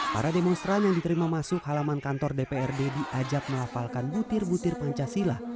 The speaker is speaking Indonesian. para demonstran yang diterima masuk halaman kantor dprd diajak melafalkan butir butir pancasila